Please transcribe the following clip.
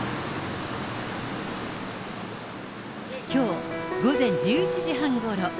きょう午前１１時半ごろ。